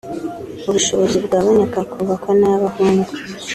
ubushobozi bwaboneka hakubakwa n’ayabahungu